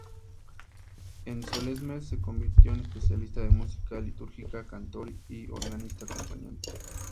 En Solesmes se convirtió en especialista de música litúrgica, cantor y organista acompañante.